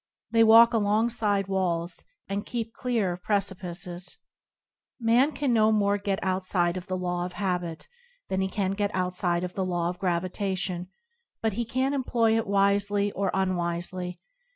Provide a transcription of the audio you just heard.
They walk alongside walls, and keep clear of pre cipices. Man can no more get outside the law of habit, than he can get outside the law of gravitation, but he can employ it wisely or unwisely.